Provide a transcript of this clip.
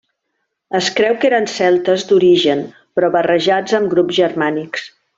Es creu que eren celtes d'origen però barrejats amb grups germànics.